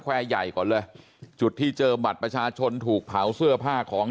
แวร์ใหญ่ก่อนเลยจุดที่เจอบัตรประชาชนถูกเผาเสื้อผ้าของ